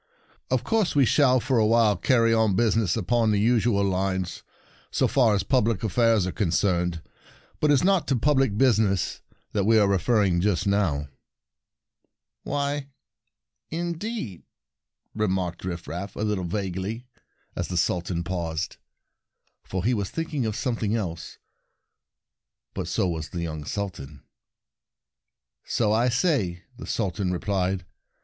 " Of course we shall for a while carry on busi ness upon the usual lines, so far as public affairs are con cerned. But it is not to public business that we are referring just now." "Why, indeed?" remarked Rifraf, a little vaguely, as the Sultan paused, for he was Rifraf Wanders Verses 49 thinking of something else. A Feeler But so was the young Suhan. "So I say," the Sultan re plied.